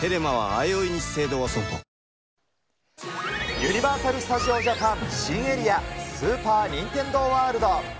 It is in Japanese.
ユニバーサル・スタジオ・ジャパン新エリア、スーパー・ニンテンドー・ワールド。